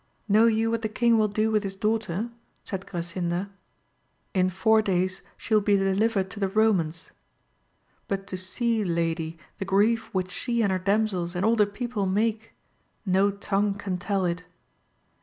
Know you what the king will do with his daughter 1 said Grasinda. — In four days she will be delivered to the Eomans ; but to see. lady, the grief which she and her damsels and all the people make ! no tongue can tell it.